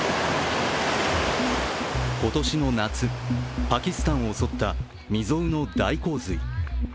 今年の夏、パキスタンを襲った未曽有の大洪水。